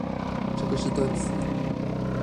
這個是斷詞